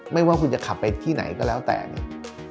ไม่ว่าคุณจะขับไปที่ไหนก็แล้วแต่เนี่ย